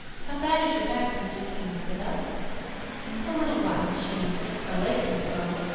How bad is your back, Peaches? Can you sit up?" "A little while," she answered. "My legs won't go."